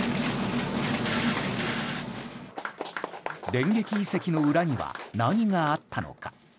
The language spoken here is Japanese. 電撃移籍の裏には何があったのか。